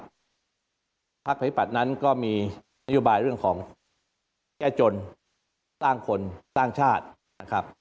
พักประชาธิปัตย์นั้นก็มีนโยบายเรื่องของแก้จนตั้งคนตั้งชาตินะครับ